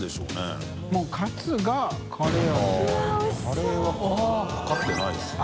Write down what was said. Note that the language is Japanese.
カレーはかかってないですね。